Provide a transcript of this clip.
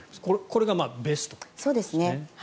これがベスト。